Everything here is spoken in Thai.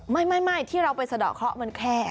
ไม่ที่เราไปสะดอกเคาะมันแค่